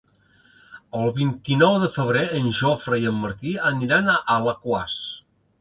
El vint-i-nou de febrer en Jofre i en Martí aniran a Alaquàs.